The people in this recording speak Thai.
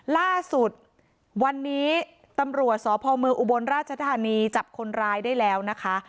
ล่าสุดวันนี้ตำรวจสพเมืองอุบลราชธานีจับคนร้ายได้แล้วนะคะ